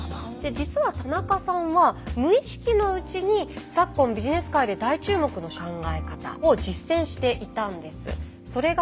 実は田中さんは無意識のうちに昨今ビジネス界で大注目の考え方を実践していたんです。